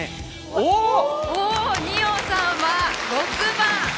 おお二葉さんは６番！